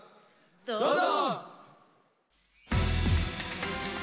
どうぞ！